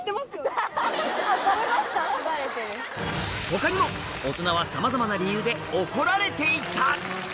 他にもオトナはさまざまな理由で怒られていた！